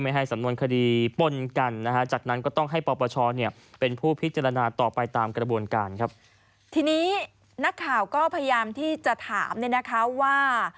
ที่นี้นักข่าวก็พยายามที่จะถามว่า